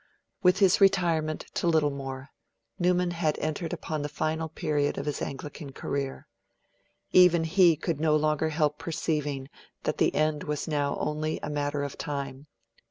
With his retirement to Littlemore, Newman had entered upon the final period of his Anglican career. Even he could no longer help perceiving that the end was now only a matter of time.